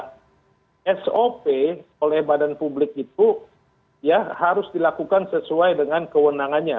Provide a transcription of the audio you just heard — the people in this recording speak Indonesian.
dan yang kedua sop oleh badan publik itu ya harus dilakukan sesuai dengan kewenangannya